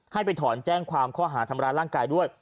ให้ไปถอนแจ้งความข้อหาธรรมดาลังกายด้วย